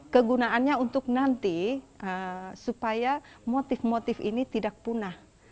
kegunaannya untuk nanti supaya motif motif ini tidak punah